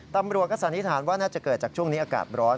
ตำรวจก็สันนิษฐานว่าน่าจะเกิดจากช่วงนี้อากาศร้อน